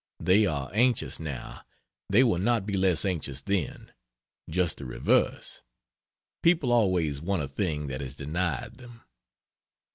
They are anxious now, they will not be less anxious then just the reverse; people always want a thing that is denied them.